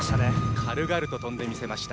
軽々と跳んでみせました。